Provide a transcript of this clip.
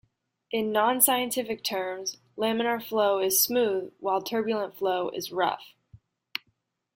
In non-scientific terms, laminar flow is "smooth" while turbulent flow is "rough".